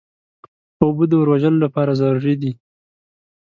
اوبه د اور وژلو لپاره ضروري دي.